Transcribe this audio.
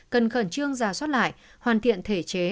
cần khẩn trương giả soát lại hoàn thiện thể chế